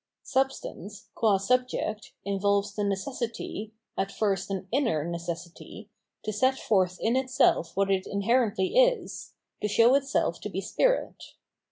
Substance, qua subject, involves the necessity, at first an inner necessity, to set forth in itself what it inherently is, to show itself to be spirit.